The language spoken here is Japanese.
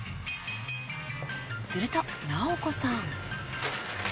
すると直子さん。